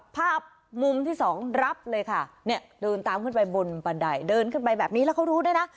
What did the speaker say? ภาพมุมที่สองรับเลยค่ะเนี่ยเดินตามขึ้นไปบนบันไดเดินขึ้นไปแบบนี้แล้วเขารู้ด้วยนะ